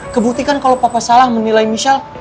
kebuktikan kalau papa salah menilai misal